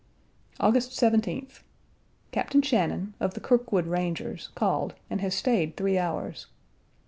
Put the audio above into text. August 17th. Captain Shannon, of the Kirkwood Rangers, called and stayed three hours.